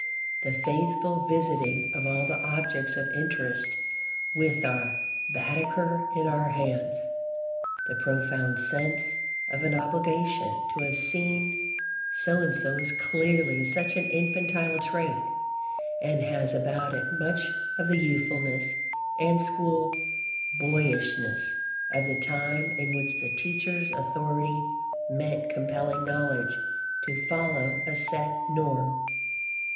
The faithful visiting of all the objects of interest with our Baedeker in our hands, the profound sense of an obligation to have seen so and so is clearly such an infantile trait and has about it much of the youthfulness and school boyishness of the time in which the teacher's authority meant compelling knowledge to follow a set norm.